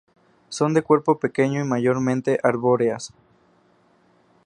Son de cuerpo pequeño y mayormente arbóreas.